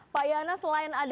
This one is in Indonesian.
pak yana selain ada